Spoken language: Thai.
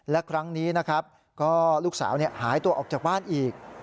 และครั้งนี้นะครับก็ลูกสาวหายตัวออกจากบ้านอีก